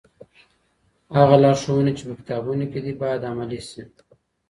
هغه لارښوونې چي په کتابونو کي دي، بايد عملي سي.